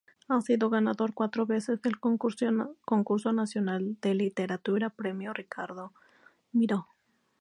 Ha sido ganador cuatro veces del Concurso Nacional de Literatura "Premio Ricardo Miró".